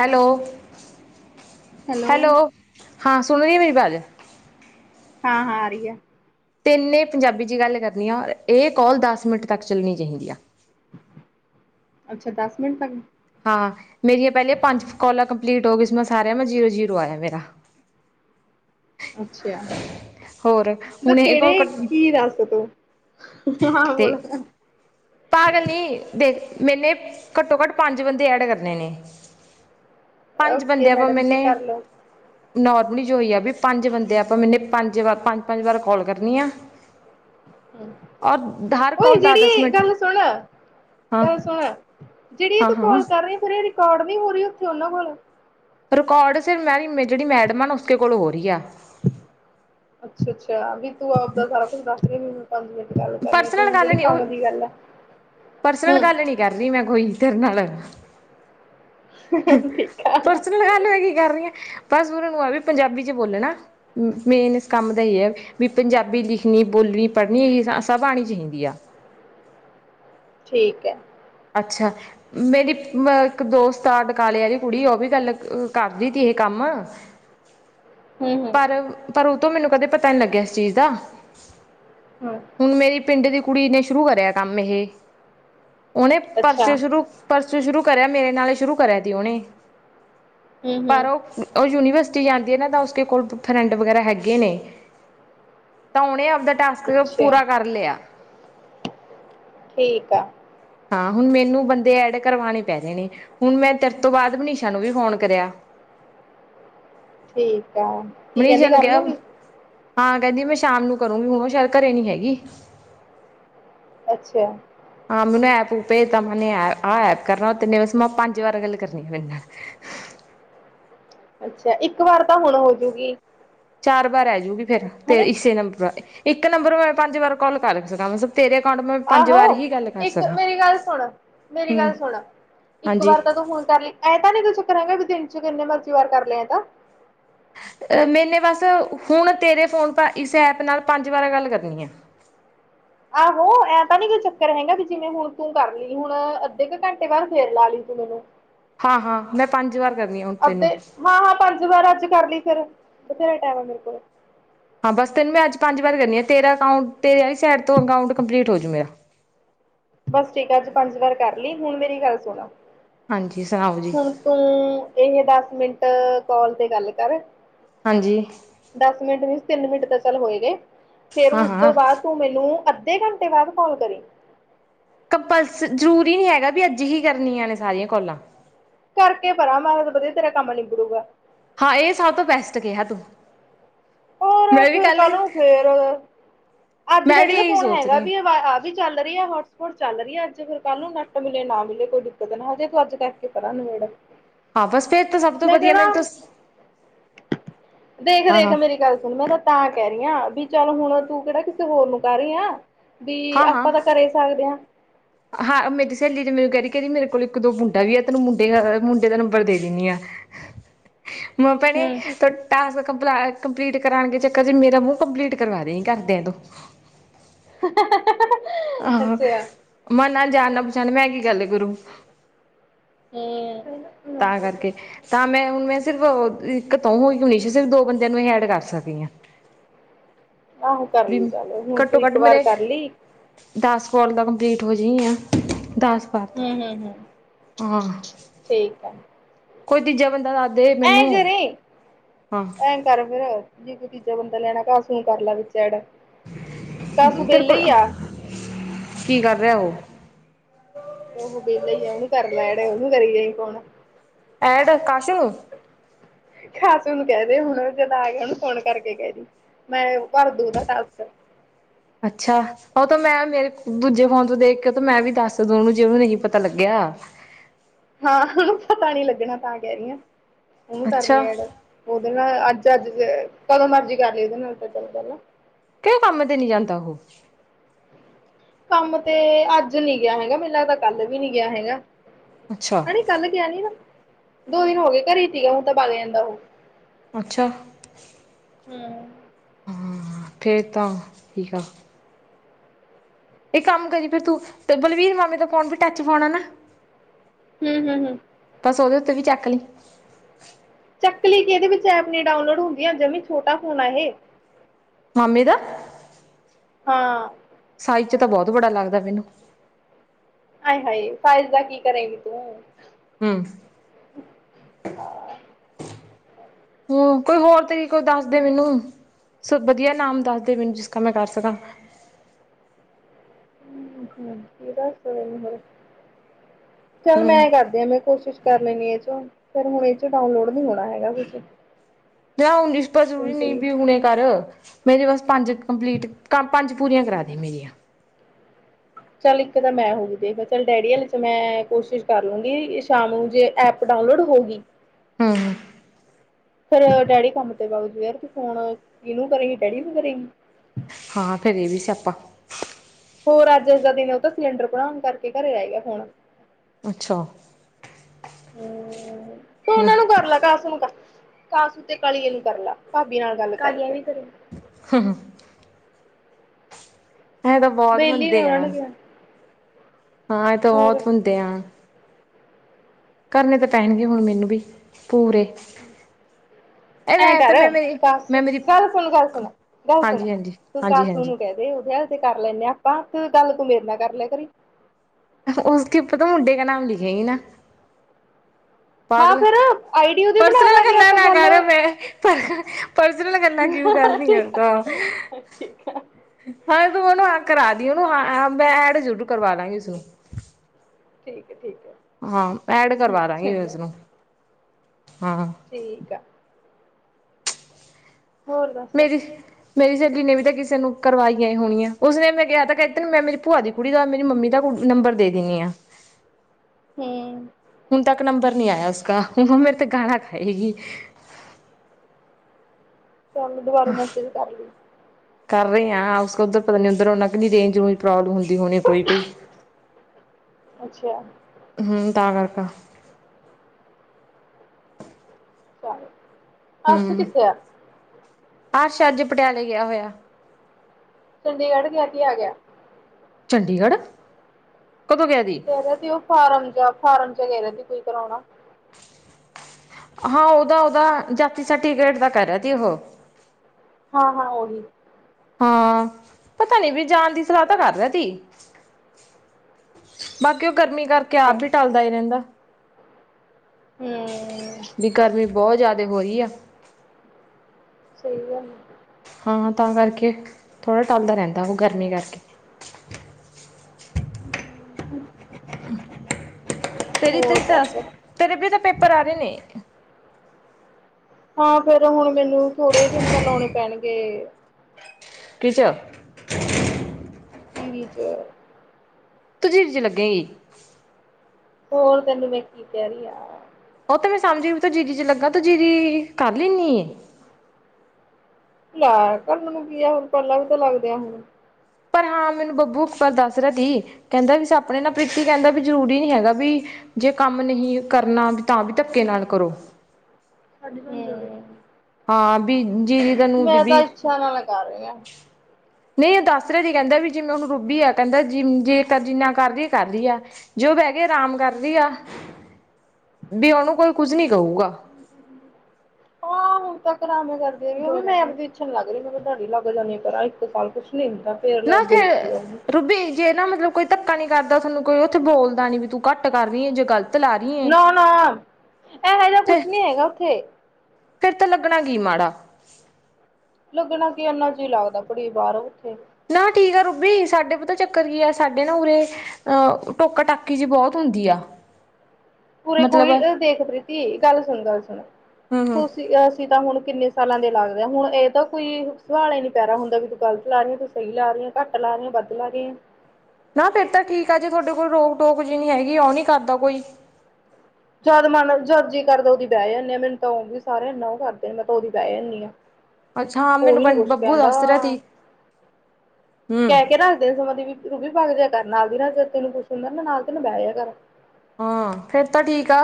Hello? Hello? ਹਾਂ। ਸੁਣਦੀ ਆ ਮੇਰੀ ਗੱਲ? [inaudible] ਹਾਂ ।ਹਾਂ ।ਆ ਰਹੀ ਹੈ। ਤੈਂਨੇ ਪੰਜਾਬੀ ਚ ਗੱਲ ਕਰਨੀ ਆ । ਇਹ ਕਾਲ ਦਸ ਮਿੰਟ ਤੱਕ, ਚੱਲਣੀ ਚਾਹੀਦੀ ਆ। ਅੱਛਾ। ਦਸ ਮਿੰਟ ਤੱਕ? ਹਾਂ! ਮੇਰੀਆਂ ਪਹਿਲੇ ਪੰਜ ਕੋਾਲਾਂ ਕੰਪਲੀਟ ਹੋ ਗਿਆ। ਮੈਂ ਸਾਰਿਆਂ ਮੈਂ, ਜੀਰੋ ਜੀਰੋ ਆਇਆ ਮੇਰਾ। ਅੱਛਾ। ਹੋਰ ਹੁਣ ਮਤਲਬ ਇਹ ਕੋਲ ਕਿਹੜੇ? ਕੱਟ ਕੀ ਦੱਸ ਤੂੰ? ਹਾਂ ਤੇ, ਬੋਲ ਪਾਗਲ ਨੀ, ਦੇ। ਮੈਨੇੰ, ਘੱਟੋ ਘੱਟ ਪੰਜ ਬੰਦੇ ਐਡ ਕਰਨੇ ਨੇ। ਪੰਜ ਬੰਦੇ, ਓਕੇ ਆ ਵਾ ਮੈਡਮ ਜੀ ਮੈਨੇ ਕਰ ਲੋ ਨ, ਸ, ਜੋਈ ਆ ਵੀ ਪੰਜ ਬੰਦੇ, ਆ ਆਪਾਂ, ਮੈਨੇ ਪੰਜ ਵਾਰ, ਪੰਜ, ਪੰਜ ਵਾਰ ਕਾਲ ਕਰਨੀ ਆ। [inaudible] ਔਰ ਹਰ ਉਹਹੀ ਕਾਲ ਦਸ ਦਸ ਜਿਹੜੀ ਮਿੰਟ ਗੱਲ ਸੁਣ ਹਾਂ ਗੱਲ ਸੁਣ ਜਿਹੜੀ ਇਹ ਹਾਂ ਤੂੰ ਕਾਲ ਹਾਂ ਕਰ ਰਹੀ ਫਿਰ ਇਹ ਰਿਕਾਰਡ ਨਹੀਂ ਹੋ ਰਹੀ ਉੱਥੇ ਉਹ ਬੋਲੋ ਰਿਕਾਰਡ ਸਿਰ ਮੈਂ ਜਿਹੜੀ ਮੈਡਮ ਆ ਉਸੇ ਕੋਲ ਹੋ ਰਹੀ ਆ ਅੱਛਾ ਅੱਛਾ ਵੀ ਤੂੰ ਆਪਦਾ ਸਾਰਾ ਕੁਛ ਦੱਸ ਕੇ ਵੀ ਦੀ ਦੀ ਗੱਲ ਕਰਨੀ ਆ ਤੂੰ ਪਰਸਨਲ ਵੀ ਗੱਲ ਜਿਹੜੀ ਨੀ ਉਹ ਕੰਮ ਦੀ ਗੱਲ ਆ ਪਰਸਨਲ ਹੂੰ ਗੱਲ ਨੀ ਕਰ ਰਹੀ ਮੈਂ ਕੋਈ ਤੇਰੇ ਨਾਲ ਠੀਕ ਆ ਤੁਰਚ ਨੂੰ ਲਗਾ ਨੂੰ ਮੈਂ ਕੀ ਕਰਨੀ ਆ ਬਸ ਉਹਨਾਂ ਨੂੰ ਆ ਵੀ ਪੰਜਾਬੀ ਚ ਬੋਲਣਾ ਮੇਨ ਇਸ ਕੰਮ ਦਾ ਹੀ ਹੈ ਵੀ ਪੰਜਾਬੀ ਲਿਖਣੀ ਬੋਲਣੀ ਪੜ੍ਹਨੀ ਇ ਸਭ ਆਣੀ ਜਰੂਰੀ ਆ ਠੀਕ ਹੈ ਅੱਛਾ ਮੇਰੀ ਅ ਇੱਕ ਦੋਸਤ ਆ ਬਟਾਲੇ ਵਾਲੀ ਕੁੜੀ ਉਹ ਵੀ ਗੱਲ ਕਰਦੀ ਤੀ ਇਹ ਕੰਮ ਹਮ ਹਮ ਪਰ ਪਰ ਤੋਂ ਮੈਨੂੰ ਕਦੇ ਪਤਾ ਨੀ ਲੱਗਿਆ ਇਸ ਚੀਜ਼ ਦਾ ਹਮ ਹੁਣ ਮੇਰੀ ਪਿੰਡ ਦੀ ਕੁੜੀ ਨੇ ਸ਼ੁਰੂ ਕਰਿਆ ਕੰਮ ਇਹ ਉਹਨੇ ਅੱਛਾ ਪਰਸੋਂ ਸ਼ੁਰੂ ਪਰਸੋਂ ਸ਼ੁਰੂ ਕਰਿਆ ਮੇਰੇ ਨਾਲ ਸ਼ੁਰੂ ਕਰਿਆ ਸੀ ਉਹਨੇ ਹਮ ਪਰ ਹਮ ਉਹ ਉਹ ਯੂਨੀਵਰਸ ਜਾਂਦੀ ਹੈ ਨਾ ਤਾਂ ਉਸ ਕੋਲ ਫਰੈਂਡ ਵਗੈਰਾ ਹੈਗੇ ਨੇ ਤਾਂ ਹੁਨ ਆਪਦਾ ਟਾਸਕ ਅੱਛਾ ਪੂਰਾ ਕਰ ਲਿਆ ਠੀਕ ਆ ਹਾਂ ਹੁਣ ਮੈਨੂੰ ਬੰਦੇ ਐਡ ਕਰਵਾਣੇ ਪੇਜਨੇ ਹੁਣ ਮੈਂ ਤੇਰੇ ਤੋਂ ਬਾਅਦ ਮਨੀਸ਼ਾ ਨੂੰ ਵੀ ਫੋਨ ਕਰਿਆ ਠੀਕ [unintelligible] ਕੀ ਮਨੀਸ਼ਾ ਕਹਿੰਦੀ ਨੂੰ ਕਿਹਾ ਕਰਲਊਗੀ ਹਾਂ ਕਹਿੰਦੀ ਮੈਂ ਸ਼ਾਮ ਨੂੰ ਕਰੂੰਗੀ ਹੁਣ ਉਹ ਸ਼ਾਇਦ ਘਰੇ ਨੀ ਹੈਗੀ ਅੱਛਾ ਹਾਂ ਮੈਨੂੰ ਐਪ ਭੇਜਤਾ ਮੈਂਨ ਆਹ ਐਪ ਕਰਨਾ ਤਿੰਨੇ ਵ ਮੈਂ ਪੰਜ ਵਾਰ ਗੱਲ ਕਰਨੀ ਆ ਮੇਰੇ ਨਾਲ ਅੱਛਾ ਇੱਕ ਵਾਰ ਤਾਂ ਹੁਣ ਹੋਜੂਗੀ ਚਾਰ ਵਾਰ ਆਜੂਗੀ ਫੇਰ ਤੇ ਹਨੇ ਇਸੇ ਨੰਬਰ ਇੱਕ ਨੰਬਰ ਮੈਂ ਪੰਜ ਵਾਰ ਕੋਾਲ ਕਰ ਸਕਾਂ ਮੈਂ ਆਹੋ ਇੱਕ ਮੇਰੀ ਗੱਲ ਸੁਣ ਮੇਰੀ ਗੱਲ ਸੁਣ ਇੱਕ ਹਾਂਜੀ ਵਾਰ ਤਾਂ ਤੂੰ ਹੁਣ ਕਰ ਲਈ ਐਂ ਤਾਂ ਨੀ ਤੁਸੀਂ ਕਰਾਂਗੇ ਵੀ ਦਿਨ ਚ ਕਿੰਨੇ ਮਰਜ਼ੀ ਵਾਰ ਕਰ ਲਿਆ ਤਾਂ ਮੈਨੇ ਬਸ ਹੁਣ ਤੇਰੇ ਫੋਨ ਇਸ ਐਪ ਨਾਲ ਪੰਜ ਵਾਰ ਗੱਲ ਕਰਨੀ ਹੈ। ਆਹੋ ਐਂ ਤਾਂ ਨੀ ਕੋਈ ਚੱਕਰ ਹੈਗਾ ਵੀ, ਜਿਵੇਂ ਹੁਣ ਤੂੰ ਕਰ ਲਈ ਹੁਣ ਅੱਧੇ ਕੁ ਘੰਟੇ ਬਾਅਦ ਫੇਰ ਲਾ ਲਈ ਤੂੰ ਮੈਨੂੰ ਹਾਂ ਹਾਂ ਮੈਂ ਪੰਜ ਵਾਰ ਕਰਨੀ ਆ ਹੁਣ ਤੈਨੂੰ ਅੱਧੇ ਹਾਂ-ਹਾਂ ਪੰਜ ਵਾਰ ਅੱਜ ਕਰ ਲਈ ਫੇਰ, ਬਥੈਰਾ ਟਾਈਮ ਐ ਮੇਰੇ ਕੋਲ, ਹਾਂ ਬਸ ਤੈਨੂੰ ਮੈਂ ਅੱਜ ਪੰਜ ਵਾਰ ਕਰਨੀ ਆ ਤੇਰਾ ਅਕਾਊਂਟ ਤੇਰੇ ਵਾਲੀ ਸਾਈਡ ਤੋਂ ਅਕਾਊਂਟ ਕੰਪਲੀਟ ਹੋਜੂ ਮੇਰਾ, ਬਸ ਠੀਕ ਅੱਜ ਪੰਜ ਵਾਰ ਕਰ ਲਈ ਹੁਣ ਮੇਰੀ ਗੱਲ ਸੁਣੋ। ਹਾਂਜੀ ਸੁਣਾਓ ਜੀ ਹੁਣ ਤੂੰ ਇਹ ਦਸ ਮਿੰਟ ਕਾਲ ਤੇ ਗੱਲ ਕਰ। ਹਾਂਜੀ ਦਸ ਮਿੰਟ ਨਹੀਂ ਸੀ ਤਿੰਨ ਮਿੰਟ ਚੱਲ ਹੋਏ ਗਏ। ਫੇਰ ਹਾਂ ਉਸ ਹਾਂ ਤੋਂ ਬਾਅਦ ਤੂੰ ਮੈਨੂੰ ਅੱ ਅੱਧੇ ਘੰਟੇ ਬਾਅਦ ਕਾਲ ਕਰੀ। ਕੰਪਲਸ ਜ਼ਰੂਰੀ ਨੀ ਹੈਗਾ, ਵੀ ਅੱਜ ਹੀ ਕਰਨੀਆਂ ਨੇ ਸਾਰੀਆਂ ਕੋਲਾਂ, ਕਰਕੇ ਪਰਾ ਮਾਰੋ, ਪਰੇ ਤੇਰਾ ਕੰਮ ਨਿਬੜੂਗਾ। ਹਾਂ ਇਹ ਸਭ ਤੋਂ ਬੈਸਟ ਕਿਹਾ ਤੂੰ। ਹੋਰ ਮੈਂ ਵੀ ਫਿਰ ਕੱਲ ਨੂੰ ਫੇਰ ਅੱਜ ਮੈਂ ਵੀ ਡੈਡੀ ਦਾ ਇਹੀ ਫੋਨ ਸੋਚ ਹੈਗਾ, ਰਹੀ ਹਾਂ ਵੀ ਆ ਆਹ ਵੀ ਚੱਲ ਰਹੀ ਆ ਹੋਟਸਪੋਟ ਚੱਲ ਰਹੀ ਹੈ ਅੱਜ। ਫੇਰ ਕੱਲ੍ਹ ਨੂੰ ਨੈਟ ਮਿਲੇ ਨਾ ਮਿਲੇ ਕੋਈ ਦਿੱਕਤ ਨਾ ਹੋਜੇ ਤੂੰ ਅੱਜ ਕਰਕੇ ਪਰਾ ਨਵੇਂਡ ਹਾਂ ਬਸ ਫੇਰ ਤਾਂ ਸਭ ਤੋਂ ਵਧੀਆ ਮੈਨੂੰ ਤਾਂ, ਹਾਂ ਦੇਖ-ਦੇਖ, ਹਾਂ ਮੇਰੀ ਗੱਲ ਸੁਣ ਮੈਂ ਤਾਂ ਤਾਂ ਕਹਿ ਰਹੀ ਹਾਂ ਵੀ, ਚੱਲ ਹੁਣ ਤੂੰ ਕਿਹੜਾ ਹੋਰ ਨੂੰ ਕਹਿ ਰਹੀ ਆ। ਵੀ ਹਾਂ ਹਾਂ ਆਪਾਂ ਤਾਂ ਕਰੇ ਹੀ ਸਕਦੇ ਹਾਂ। ਹਾਂ ਮੇਰੀ ਸਹੇਲੀ ਨੇ ਮੈਨੂੰ ਕਹਿ ਰਹੀ ਕਹਦੀ ਮੇਰੇ ਕੋਲ ਇੱਕ ਦੋ ਮੁੰਡਾ ਵੀ ਆ ਤੈਨੂੰ ਮੁੰਡੇ-ਮੁੰਡੇ ਦਾ ਨੰਬਰ ਦੇ ਦਿੰਨੀ ਆ। ਮ ਪਣੇ ਹੂੰ ਤਟ ਸ ਕੰਪ ਕੰਪਲੀਟ ਕਰਾਉਣਗੇ, ਚੱਕਰ ਜ ਮੇਰਾ ਮੂੰਹ ਕੰਪਲੀਟ ਕਰਵਾ ਦੇ ਕਰਦਿਆਂ ਤੂੰ [unintelligible] ਆਹੋ ਅੱਛਾ ਮਨ ਨਾ ਜਾਣਨਾ ਪਛਾਣ ਮੈਂ ਕੀ ਗੱਲ ਗੁਰੂ ਹੂੰ, ਤਾਂ ਕਰਕੇ ਤਾਂ ਮੈਂ ਹੁਣ ਮੈਂ ਸਿਰਫ ਇੱਕ ਤੋਂ ਹੋਈ ਮਨੀਸ਼ਾ ਸਿਰਫ ਦੋ ਬੰਦਿਆਂ ਨੂੰ ਹੀ ਐਡ ਕਰ ਸਕਦੀ ਐ। ਆਹੋ ਕਰਲੀ ਚੱਲ ਹੁਣ ਤੂੰ ਇੱਕ ਵਾਰ ਕਰਲੀ, ਹੁਣ ਤਾਂ ਕੰਪਲੀਟ ਹੋ ਜਾਈਆਂ। ਦੱਸ ਪਾਤਾ, ਹੂੰ ਹੂੰ ਹੂੰ ਆਹ। ਠੀਕ ਆ ਕੋਈ ਤੀਜਾ ਬੰਦਾ ਦਾ ਦੇ ਐਂ ਮੈਨੂੰ, ਕਰੀ ਹਾਂ ਐਂ ਕਰ ਫਿਰ, ਜੇ ਕੋਈ ਤੂਜਾ ਬੰਦਾ ਲੈਣਾ ਅਸੀਂ ਹੀ ਕਰ ਲੈ ਵਿੱਚ ਐਡ, ਕਾਸੂ ਤੇਰੇ ਵੇਹਲੇ ਕੋਲ ਹੀ ਆ। ਕੀ ਕਰ ਰਿਹਾ ਉਹ, ਉਹ ਵਿਹਲਾ ਆ ਉਹਨੂੰ ਕਰ ਲੈ ਐਡ ਉਹਨੂੰ ਕਰੀ ਜਾਈ ਫੋਨ, ਐਡ ਕਾਸ਼ਵ, ਖਾਸੂ ਨੂੰ ਕਹਿ ਦੇ ਹੁਣ ਜਦ ਆ ਗਿਆ ਉਹਨੂੰ ਫੋਨ ਕਰਕੇ ਕਹਿ ਦੀ ਮੈਂ ਭਰਦੂ ਉਹਦਾ ਟਾਸਕ। ਅੱਛਾ ਉਹ ਤਾਂ ਮੈਂ ਮੇਰੇ ਦੂਜੇ ਫੋਨ ਤੋਂ ਦੇਖ ਕੇ ਤੇ ਮੈਂ ਵੀ ਦੱਸਦੂ ਜੇ ਉਹਨੂੰ ਨਹੀਂ ਪਤਾ ਲੱਗਿਆ। ਹਾਂ ਪਤਾ ਨੀ ਲੱਗਣਾ ਤਾਂ ਕਹਿ ਰਹੀ ਹੈ। ਉਹਨੂੰ ਕਰ ਲੲੀ ਅੱਛਾ ਐਡ ਉਹਦੇ ਨਾਲ਼ ਅੱਜ ਚੱਜ ਕਦੋਂ ਮਰਜੀ ਕਰ ਲਈ ਉਹਦੇ ਤਾਂ ਗੱਲ ਕਿਉਂ ਕੰਮ ਤੇ ਨੀ ਜਾਂਦਾ ਉਹ ਕੰਮ ਤੇ ਅੱਜ ਨੀ ਗਿਆ ਹੈਗਾ ਮੈਨੂੰ ਲੱਗਦਾ ਕੱਲ ਵੀ ਨਹੀਂ ਗਿਆ ਹੈਗਾ। ਅੱਛਾ ਹੈਨੀ ਕੱਲ ਗਿਆ ਨੀ ਨਾ। ਦੋ ਦਿਨ ਹੋ ਗਏ ਘਰੇ ਤੀਗਾ ਹੁਣ ਤਾਂ ਬੱਗ ਜਾਂਦਾ ਉਹ ਅੱਛਾ। ਹੂੰ। ਹਾਂ, ਫੇਰ ਤਾਂ, ਠੀਕ ਆ। ਇੱਕ ਕੰਮ ਕਰੀ ਫਿਰ ਤੂੰ ਤੇ ਬਲਵੀਰ ਮਾਮੇ ਦਾ ਫੋਨ ਵੀ ਟੱਚ ਫੋਨ ਆ ਨਾ, ਹੂੰ, ਹੂੰ, ਹੂੰ। ਬਸ ਉਹਦੇ ਉੱਤੇ ਵੀ ਚੱਕ ਲਈ। ਚੱਕਲੀ ਕਿ ਇਹਦੇ ਵਿੱਚ ਐਪ ਨਹੀਂ ਡਾਊਨਲੋਡ ਹੁੰਦੀਆਂ ਜਵੀ ਛੋਟਾ ਫੋਨ ਆ ਇਹ ਮੰਮੀ ਦਾ, ਹਾਂ। ਸਾਈਜ਼ ਚ ਤਾਂ ਬਹੁਤ ਬੜਾ ਲੱਗਦਾ ਮੈਨੂੰ। ਹਾਏ ਹਾਏ ਸਾਇਜ਼ ਦਾ ਕੀ ਕਰੇਗੀ ਤੂੰ। ਹੂੰ, ਹਾਂ ਹੂੰ। ਕੋਈ ਹੋਰ ਤਰੀ ਕੋ ਦੱਸ ਦੇ ਮੈਨੂੰ ਸ ਵਧੀਆ ਨਾਮ ਦੱਸਦੇ ਮੈਨੂੰ ਜਿਸਕਾ ਮੈਂ ਕਰ ਸਕਾਂ। ਹੂੰ ਹੂੰ ਇਹਦਾ ਸੁ ਹੋ ਚੱਲ ਹੂੰ ਮੈਂ ਕਰਦੇ ਆ ਮੈਂ ਕੋਸ਼ਿਸ਼ ਕਰ ਲੈਣੀ ਇਹ ਚੋਂ ਫਿਰ ਹੁਣ ਇਹ ਚੋਂ ਡਾਊਨਲੋਡ ਨੀ ਹੋਣਾ ਹੈਗਾ ਕੁਛ। ਜਾ ਪੁਛਪਾ ਜ਼ਰੂਰੀ ਨੀ ਸਹੀ ਬ ਹੁਣੇ ਕਰ ਮੇਰੇ ਬਸ ਪੰਜ ਕੰਪਲੀਟ ਕੰ ਪੰਜ ਪੂਰੀਆਂ ਕਰਾ ਦੇ ਮੇਰੀਆਂ ਚੱਲ ਇੱਕ ਤਾਂ ਮੈਂ ਹੋਗੀ, ਦੇਖ ਚੱਲ ਡੈਡੀ ਹਾਲੇ ਚ ਮੈਂ ਕੋਸ਼ਿਸ਼ ਕਰ ਲੂੰਗੀ ਸ਼ਾਮ ਨੂੰ ਜੇ ਐਪ ਡਾਊਨਲੋਡ ਹੋ ਗਈ। ਹਂ, ਹਂ। ਫਿਰ ਡੈਡੀ ਕੰਮ ਤੇ ਬਗਜੂ ਯਾਰ ਤੂੰ ਫੋਨ ਕਿਹਨੂੰ ਕਰੇਂਗੀ ਡੈਡੀ ਨੂੰ ਕਰੇਂਗੀ। ਹਾਂ, ਫਿਰ ਇਹ ਵੀ ਸਿਆਪਾ। ਹੋਰ ਅੱਜ ਉਸ ਦਾ ਦਿਨ ਉਹ ਤਾਂ ਸਿਲੰਡਰ ਭਰਾਉਣ ਕਰਕੇ ਘਰੇ ਰਹਿ ਗਿਆ ਫੋਨ। ਅੱਛਾ। ਹੂੰ ਤੂੰ ਹੂੰ ਉਹਨਾਂ ਨੂੰ ਕਰ ਲੈ [inaudible] ਕਾਸੂ ਤੇ ਕਲੀਏ ਨੂੰ ਕਰਲਾ ਭਾਬੀ ਨਾਲ ਗੱਲ ਕੇ। [unintelligible] ਅਸੀਂ ਤਾਂ ਬਹੁਤ ਵਿਹਲੀ ਨੇ ਮੰੰਦੇ ਉਹਨਾਂ ਆਂ ਨੇ ਕਿਹਾ ਹਾਂ, ਇਹ ਤਾਂ ਹੋਰ ਬਹੁਤ ਹੁੰਦੇ ਆ ਕਰਨੇ ਤਾਂ ਪੈਣਗੇ ਹੁਣ ਮੈਨੂੰ ਵੀ ਪੂਰੇ ਇਹ ਐਂ ਵੈਸੇ ਤਾਂ ਕਰ, ਮੈਂ ਮੇਰੀ ਕਸ ਮੈਂ ਮੇਰੀ ਗੱਲ ਸੁਣ, ਗੱਲ ਸੁਣੋ, ਗੱਲ ਸੁਣੋ ਹਾਂਜੀ ਹਾਂਜੀ ਤੂੰ ਹਾਂਜੀ ਕੈਸੂ ਹਾਂਜੀ ਨੂੰ ਕਹਿ ਦੇ ਉਦੇ ਤੇ ਕਰ ਲੈਂਨੇ ਆ ਆਪਾਂ। ਤੇ ਗੱਲ ਤੂੰ ਮੇਰੇ ਨਾਲ ਕਰ ਲਿਆ ਕਰੀਂ। ਉਸਕੇ ਉਪਰ ਤਾਂ ਮੁੰਡੇ ਕ ਨਾਮ ਲਿਖੇ ਹੀ ਨਾ। ਹਾਂ ਪਾਗਲ, ਫੇਰ ਆਈਡੀ ਉਹਦੀ ਬਣਾ ਪਰਸਨਲ ਦਾਂਗੇ ਗੱਲਾਂ ਆਪਾਂ ਨਾਂ ਗੱਲ ਕਰ, ਮੈਂ ਪਰ ਪਸਨਲ ਗੱਲ ਕਿਉਂ ਕਰਣੀਆਂ ਨਾ ਠੀਕ ਆ। ਦਾ ਠੀਕ ਆ ਤੂੰ ਉਹਨੂੰ ਕਰਾ ਦੀ ਉਹਨੂੰ ਹਾਂ ਮੈਂ ਐਡ ਜ਼ਰੂਰ ਕਰਵਾ ਲਾਂਗੀ ਉਸਨੂੰ। ਠੀਕ ਆ ਠੀਕ ਆ। ਹਾਂ, ਐਡ ਹੂੰ ਕਰਵਾਦਾਂਗੀ ਚੰਗਾ ਉਸਨੂੰ। ਹਾਂ ਠੀਕ ਆ। ਹੋਰ ਦੱਸ ਮੇਰੀ ਮੇਰੀ ਸੇਲੀ ਨੇ ਵੀ ਕਿਸੇ ਨੂੰ ਕਰਵਾਈਆਂ ਈ ਹੋਣੀਆਂ ਉਸਨੇ ਮੈਂ ਕਿਹਾ ਕਨ ਮੈਂ ਮੇਰੀ ਭੂਆ ਦੀ ਕੁੜੀ ਦਾ, ਮੇਰੀ ਮੰਮੀ ਦਾ ਨੰਬਰ ਦੇ ਦੇਣੀ ਆਂ। ਹਂ ਨ੍ਹੀਂ ਆਇਆ ਉਸਕਾ, ਉ ਮੇਰੇ ਤੇ ਗਾਲਾਂ ਖਾਏਗੀ। ਚੱਲ ਮੈਂ ਦੁਬਾਰਾ ਮੈਸੇਜ ਕਰ ਲੀ। ਕਰ ਰਹੇ ਹਾਂ ਉਸ ਕੋ ਉਧਰ ਪਤਾ ਨੀਂ ਉੱਧਰ ਉਹਨਾਂ ਕਹਦੀ ਰੇਂਜ ਰੂਂਜ ਪ੍ਰੋਬਲਮ ਹੁੰਦੀ ਹੋਣੀ ਕੋਈ ਪਈ ਅੱਛਾ ਹਂ ਤਾਂ ਕਰਕੇ ਆਹ ਚਲੋ ਅਰਸ ਕਿੱਥੇ ਆ? ਅੱਰਸ਼ ਅੱਜ ਪਟਿਆਲੇ ਗਿਆ ਹੋਇਆ। ਚੰਡੀਗੜ੍ਹ ਕ ਕੇ ਆ ਗਿਆ। ਚੰਡੀਗੜ੍ਹ! ਕਦੋਂ ਗਿਆ ਦੀ ਕਹਿ ਰਿਹਾ ਸੀ ਤੇ ਉਹ ਫਾਰਮ ਜਾ ਫਾਰਮ ਵਗਰਾ ਦੀ ਕੋਈ ਕਰਾਉਣਾ ਹਾਂ ਉਹਦਾ ਉਹਦਾ ਜਾਤੀ ਸਰਟੀਫਕੇੇਟ ਦਾ ਕਰਹਾ ਸੀ ਉਹ ਹਾਂ ਹਾਂ ਉਹੀ ਹਾਂ ਪਤਾ ਨੀ ਵੀ ਜਾਣ ਦੀ ਸਲਾਹ ਤਾਂ ਕਰ ਰਿਹਾ ਤੀ ਪਰ ਕਿ ਉਹ ਗਰਮੀ ਕਰਕੇ ਆਪ ਅੱਛਾ ਵੀ ਟਲਦਾ ਹੀ ਰਹਿੰਦਾ ਹੂੰ ਵੀ ਗਰਮੀ ਬਹੁਤ ਜ਼ਿਆਦਾ ਤੇ ਹੋ ਰਹੀ ਆ ਸਹੀ ਗੱਲ ਹਾਂ ਤਾਂ ਕਰਕੇ ਥੋੜ੍ਹਾ ਟਲਦਾ ਰਹਿੰਦਾ ਉਹ ਗਰਮੀ ਕਰਕੇ ਹੂੰ। [inaudible] ਤੇਰੀ ਤੇ ਹੋਰ ਤਾਂ, ਦੱਸ ਤੇਰੇ ਤੇ ਤਾ ਪੇਪਰ ਆ ਰੇ ਨੇ? ਹਾਂ ਫੇਰ ਹੁਣ ਮੈਨੂੰ ਥੋੜੇ ਦਿਨ ਤਾਂ ਲਾਉਣੇ ਪੈਣਗੇ। [unintelligible] ਜੀਰੀ ਚ। ਤੂੰ ਜੀਰੀ ਚ ਲੱਗੇਗੀ? ਹੋਰ ਤੈਨੂੰ ਮੈਂ ਕੀ ਕਹਿ ਰੀ ਆ। ਉਹ ਤੇ ਮੈਂ ਸਮਝ ਤੋ ਜੀਰੀ ਚ ਲੱਗਾ ਤੇ ਜੀਰੀ ਕਰ ਲੀਨੀ ਏ? ਲੈ ਕਰਨ ਨੂੰ ਕੀ ਆ ਹੁਣ ਪਹਿਲਾਂ ਵੀ ਤਾਂ ਲੱਗਦੇ ਆ ਹੁਣ। ਪਰ ਹਾਂ ਮੈਨੂੰ ਬੱਬੂ ਇਕ ਬਾਰ ਦੱਸ ਰਿਆ ਤੀ ਕਹਿੰਦਾ ਵੀ ਸ ਔਣੇ ਨਾ ਪ੍ਰੀਤੀ ਕੈੰਦਾ ਬੀ ਜਰੂਰੀ ਨੀ ਹੈਗਾ ਬਈ ਜੇ ਕੰਮ ਨਹੀਂ ਕਰਨਾ ਤਾਂ ਵੀ ਧੱਕੇ ਨਾਲ ਕਰੋ। ਹੂੰ। ਹਾਂ, ਬੀ ਜੀਰੀ ਤਾਨੂੰ ਦੀ ਮੈਂ ਤਾਂ ਬੀ ਇੱਛਾ ਨਾਲ ਕਰ ਰਹੀ ਹਾਂ। ਨਹੀਂ, ਉਹ ਦੱਸ ਰੇ ਸੀ ਕੈੰਦਾ ਬੀ ਜਿਮੇ ਉਨੂੰ ਰੁੱਬੀ ਐ ਕੈੰਦਾ ਜਿ ਜੇਕ ਜਿੰਨਾ ਕਰ ਰੀ ਕਰ ਰੀ ਐ, ਜੇ ਔ ਬੈਹ ਗੀ ਆਰਾਮ ਕਰ ਰੀ ਆ, ਬੀ ਓਹਨੂੰ ਕੋਈ ਕੁਝ ਨੀ ਦਊਗਾ। ਤਾਂ ਕਰਾਮੇ ਕਰਦੀ ਏ ਮੈਂ ਆਪਦੀ ਇੱਛਣ ਲੱਗ ਰੀ, ਮੈਂਨ ਧਾਨੀ ਲੱਗ ਜਾਣੇ ਪਤਾ ਏ ਇੱਕ ਸਾਲ ਕੁਛ। ਨੀ ਹੁੰਦਾ ਫੇਰ ਲ ਨਾ ਅੱਗੇ ਦੇਖੀ ਫੇਰ ਜਾਊਗੀ ਰੁਬੀ ਜੇ ਨਾ ਮਤਲਬ ਕੋਈ ਧੱਕਾ ਨਹੀਂ ਕਰਦਾ ਥਾਨੂੰ ਕੋਈ ਔਥੇ ਬੋਲਦਾ ਨੀ ਵੀ ਤੂੰ ਘੱਟ ਕਰ ਰੀ ਏ ਅੱਜਕਲ੍ਹ। ਨਾ ਨਾ ਏਹੇ ਜਾ ਕੁਛ ਨੀ ਹੈਗਾ ਔਥੇ। ਫੇਰ ਤਾਂ ਲੱਗਣਾ ਕੀ ਮਾੜਾ। ਲੱਗਣਾ ਕੀ ਏਨਾ ਜੀ ਲੱਗਦਾ ਕੁੜੀ ਬਾਰੋ ਉੱਥੇ। ਨਾ ਠੀਕ ਆ ਰੂਬੀ ਸਾਡੇ ਪਤਾ ਚੱਕਰ ਕੀ ਐ ਸਾਡੇ ਨਾ ਉਰੇ ਅਹ ਟੋਕਾ-ਟਾਕੀ ਜੀ ਬਹੁਤ ਹੁੰਦੀ ਆ। ਊਰੇ ਮਤਲਬ ਕੋਈ ਅ ਹੂੰ ਦੇਖ ਪਰੀਤੀ ਗੱਲ ਸੁਣ ਗੱਲ ਸੁਣ ਹੂੰ ਤੁਸੀਂ ਅਸੀਂ ਤਾਂ ਹੁਣ ਕਿੰਨੇ ਸਾਲਾਂ ਦੇ ਲੱਗਦੇ ਹੁਣ ਏ ਤਾਂ ਕੋਈ ਸਵਾਲੇ ਨੀ ਪੈਦਾ ਹੁੰਦਾ ਵੀ ਤੂੰ ਗ਼ਲਤ ਲਾਰੀ ਏ ਤੂੰ ਸਹੀ ਲਾਰੀ ਏ ਘੱਟ ਲਾਰੀ ਏ ਵੱਧ ਲਾਰੀ ਏ। ਨਾ ਫੇਰ ਤਾਂ ਠੀਕ ਆ ਜੇ ਤੁਹਾਡੇ ਕੋਲ ਰੋਕ ਟੋਕ ਜਿਹ ਨੀ ਹੈਗੀ ਔ ਨੀ ਕਰਦਾ ਕੋਈ। ਜਦ ਮੰਨ ਜਦ ਜੀ ਕਰਦੈ ਉਦੀ ਬੈ ਜਾਂਣੇ ਆ ਮੈਨੂੰ ਤਾਂ ਉੰਝ ਵੀ ਸਾਰੇ ਇਨਾ ਓਹ ਕਰਦੇ ਨੇ ਮੈਂ ਤਾਂ ਉਦੀ ਬੈ ਜਾਂਣੀ ਆਂ। ਅੱਛਾ ਹਾਂ ਮੈਨੂੰ ਕੋਈ ਬ ਨੀ ਕੁਛ ਬੱਬੂ ਕੈੰਦਾ। ਦੱਸ ਰਿਹਾ ਤੀ ਹੂੰ ਕੈ ਕੇ ਨਾ ਦੇ ਸਮਾਂ ਦੀ ਵੀ ਰੁਬੀ ਪਰ ਲੇਆ ਕਰ ਨਾਲ ਦੀ ਨਾਲ ਜੇ ਤੈਨੂੰ ਕੁੱਛ ਹੁੰਦੈ ਨਾ ਨਾਲ ਤੇ ਮੈਂ ਬੈ ਜੇਆ ਕਰ ਹਾਂ, ਫੇਰ ਤਾਂ ਠੀਕ ਆ।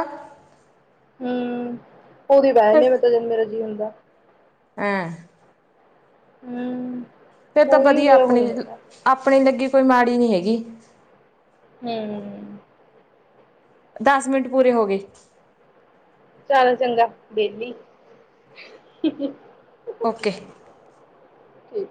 ਹੂੰ। ਓਦੀ ਬੈ ਨੇ ਮੈਂ ਤਾਂ ਜਨ ਮੇਰੇ ਜੀਅ [unintelligible] ਐਂ। ਹੂੰ। ਫੇਿਰ ਤਾਂ ਕੋਈ ਵਧੀਆ ਉਰੇ ਉਹ ਨੀ ਆਪਣੀ ਹੈਗਾ ਆਪਣੀ ਲੱਗੀ ਕੋਈ ਮਾੜੀ ਨੀ ਹੈਗੀ ਹਮ ਦਸ ਮਿੰਟ ਪੂਰੇ ਹੋ ਗਏ ਚਲ ਚੰਗਾ ਵੇਲੀ ਓਕੇ